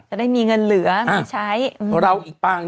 จะได้มีเงินเหลือไม่ใช้